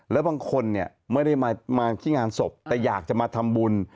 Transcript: แล้วบางคนเนี่ยไม่ได้มาที่งานศพแต่อยากจะมาทำบุญ